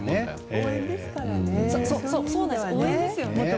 応援ですからね。